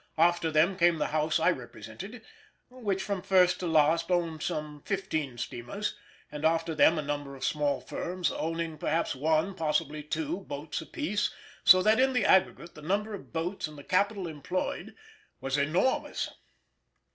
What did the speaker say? After them came the house I represented, which from first to last owned some fifteen steamers; and after them a number of small firms, owning perhaps one, possibly two, boats apiece, so that in the aggregate the number of boats and the capital employed was enormous.